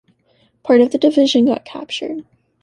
Part of the division got captured.